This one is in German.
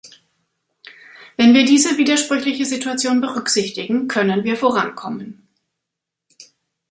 Wenn wir diese widersprüchliche Situation berücksichtigen, können wir vorankommen.